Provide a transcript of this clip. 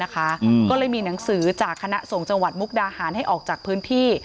ก็เลยมีหนังสือจากคณะส่งจังหวัดมุกดาหารให้ออกจากพื้นที่